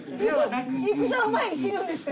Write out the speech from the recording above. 戦を前に死ぬんですか？